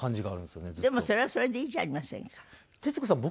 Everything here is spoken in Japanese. でもそれはそれでいいじゃありませんか。